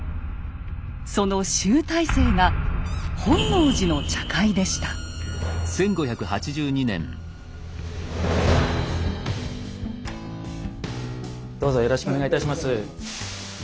その集大成がどうぞよろしくお願いいたします。